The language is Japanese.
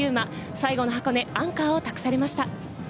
最後の箱根、アンカーを託されました。